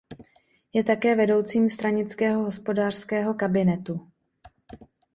Je také vedoucím stranického hospodářského kabinetu.